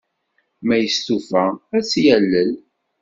Ma yestufa, ad t-yalel.